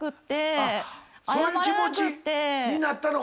そういう気持ちになったのか。